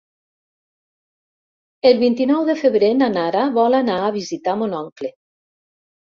El vint-i-nou de febrer na Nara vol anar a visitar mon oncle.